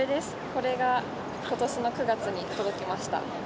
これがことしの９月に届きました。